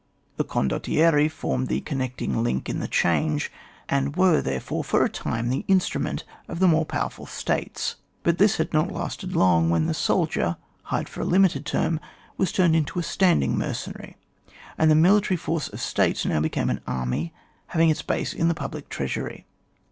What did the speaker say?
The condottieri formed the connecting link in the change, and were therefore, for a time, the instrument of thd more powerful States ; but this had not lasted long, when the soldier, hired for a limited term, was tume4 into a standing mercenary f and the military force of States now became an army, ha^aaig its base in the public treasury.